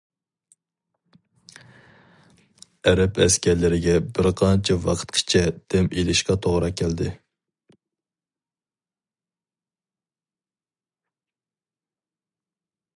ئەرەب ئەسكەرلىرىگە بىرقانچە ۋاقىتقىچە دەم ئېلىشقا توغرا كەلدى.